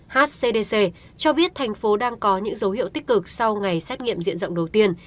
hcdc cho biết thành phố đang có những dấu hiệu tích cực sau ngày xét nghiệm diện rộng đầu tiên